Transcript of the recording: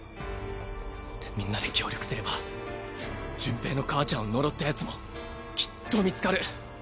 みんなで協力すれば順平の母ちゃんを呪ったヤツもきっと見つかる。